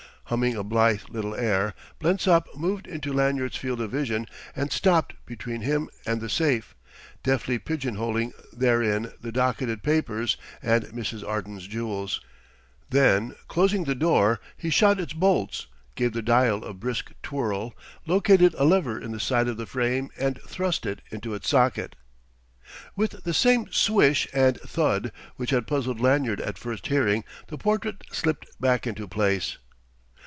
Humming a blithe little air, Blensop moved into Lanyard's field of vision and stopped between him and the safe, deftly pigeonholing therein the docketed papers and Mrs. Arden's jewels. Then, closing the door, he shot its bolts, gave the dial a brisk twirl, located a lever in the side of the frame and thrust it into its socket. With the same swish and thud which had puzzled Lanyard at first hearing, the portrait slipped back into place.